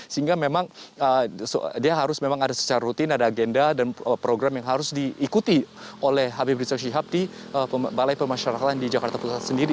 sehingga memang dia harus memang ada secara rutin ada agenda dan program yang harus diikuti oleh habib rizik syihab di balai pemasyarakatan di jakarta pusat sendiri